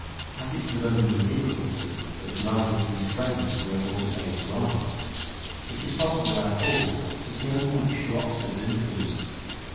As it was only with difficulty that Wriothesley's friends were able to save his life, it is possible, therefore, that he owed much to Oxford's influence.